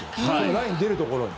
ライン出るところに。